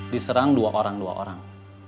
diserang dua orang dua orang